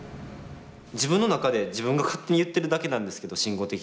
自分の中で自分が勝手に言ってるだけなんですけど慎吾的には。